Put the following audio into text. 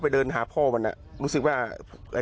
เพิ่งบอกว่าละ